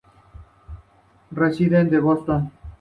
Reside en Boston.